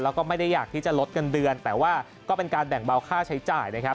แล้วก็ไม่ได้อยากที่จะลดเงินเดือนแต่ว่าก็เป็นการแบ่งเบาค่าใช้จ่ายนะครับ